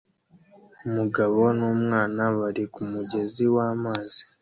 Umugabo numwana bari kumugezi wamazi